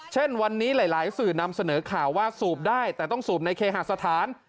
เช่นวันนี้หลายสื่อนำเสนอข่าวว่าสูบได้แต่ต้องสูบในเคหาสถาน